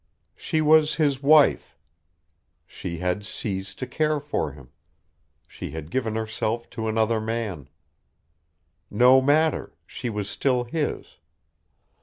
She was his wife. She had ceased to care for him. She had given herself to another man. No matter, she was still his.